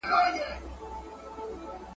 همېشه یې وې په شاتو نازولي !.